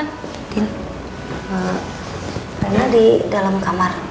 andin di dalam kamar